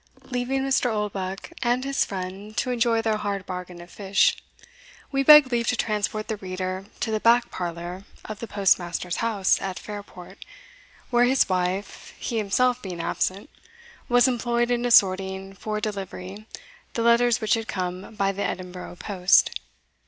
Leaving Mr. Oldbuck and his friend to enjoy their hard bargain of fish, we beg leave to transport the reader to the back parlour of the post master's house at Fairport, where his wife, he himself being absent, was employed in assorting for delivery the letters which had come by the Edinburgh post.